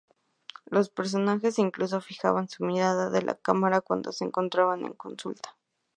Los personajes incluso fijaban su mirada en la cámara cuando se encontraban en consulta.